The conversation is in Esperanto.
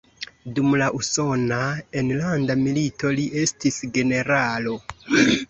Dum la Usona Enlanda Milito li estis generalo.